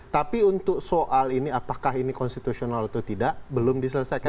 tapi untuk soal ini apakah ini konstitusional atau tidak belum diselesaikan